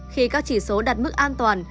khi các chỉ số đặt mức an toàn